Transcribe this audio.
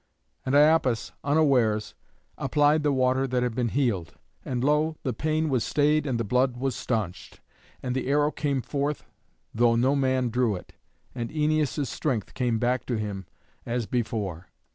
And Iapis, unawares, applied the water that had been healed; and lo! the pain was stayed and the blood was staunched, and the arrow came forth, though no man drew it, and Æneas's strength came back to him as before.